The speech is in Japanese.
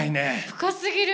深すぎる！